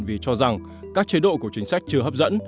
vì cho rằng các chế độ của chính sách chưa hấp dẫn